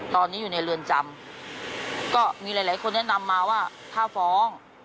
ตอนนี้อยู่ในเรือนจำก็มีหลายหลายคนแนะนำมาว่าถ้าฟ้อง